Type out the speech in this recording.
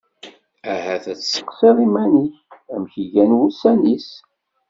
Ahat ad tseqsiḍ iman-ik: Amek gan wussan-is.